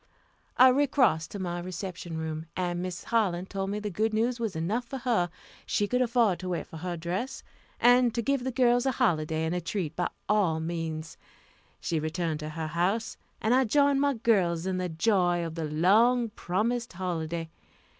I recrossed to my reception room, and Mrs. Harlan told me that the good news was enough for her she could afford to wait for her dress, and to give the girls a holiday and a treat, by all means. She returned to her house, and I joined my girls in the joy of the long promised holiday.